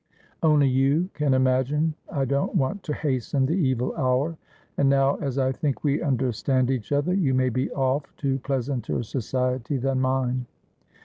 Only you can imagine I don't want to hasten the evil hour. And now, as I think we understand each other, you may be off to pleasanter society than mine.'